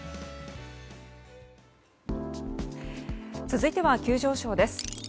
続いては急上昇です。